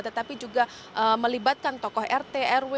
tetapi juga melibatkan tokoh rt rw